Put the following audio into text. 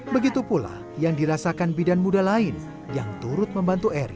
begitu pula yang dirasakan bidan muda lain yang turut membantu eri